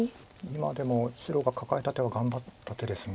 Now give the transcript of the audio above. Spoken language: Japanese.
今でも白がカカえた手は頑張った手です。